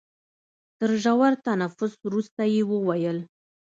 تر ژور تنفس وروسته يې وويل.